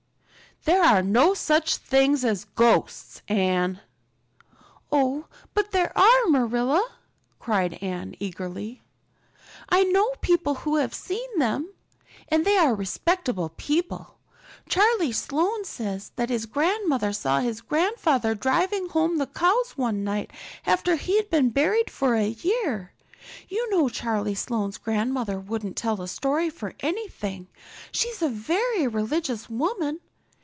"There are no such things as ghosts, Anne." "Oh, but there are, Marilla," cried Anne eagerly. "I know people who have seen them. And they are respectable people. Charlie Sloane says that his grandmother saw his grandfather driving home the cows one night after he'd been buried for a year. You know Charlie Sloane's grandmother wouldn't tell a story for anything. She's a very religious woman.